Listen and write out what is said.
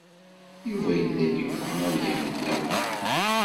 Yuba yella yebɣa ad yamen Yamina.